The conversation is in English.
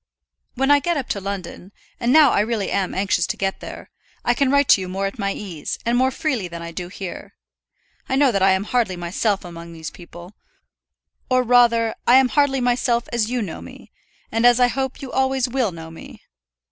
When I get up to London and now I really am anxious to get there I can write to you more at my ease, and more freely than I do here. I know that I am hardly myself among these people, or rather, I am hardly myself as you know me, and as I hope you always will know me.